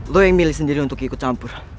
lo yang milih sendiri untuk ikut campur